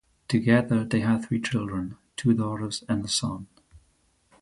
Together they have three children: two daughters and a son.